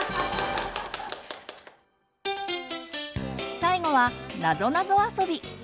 最後はなぞなぞあそび。